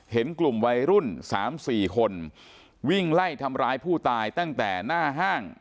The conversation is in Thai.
เห็นกลุ่มวัยรุ่น๓๔คนวิ่งไล่ทำร้ายผู้ตายตั้งแต่หน้าห้าง